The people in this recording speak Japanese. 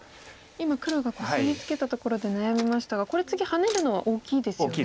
今黒がコスミツケたところで悩みましたがこれ次ハネるのは大きいですよね。